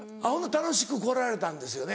楽しく来られたんですよね？